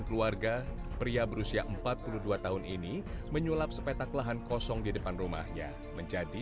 keluarga pria berusia empat puluh dua tahun ini menyulap sepetak lahan kosong di depan rumahnya menjadi